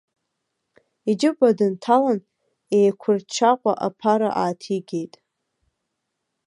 Иџьыба дынҭалан, еиқәырчаҟәа аԥара ааҭигеит.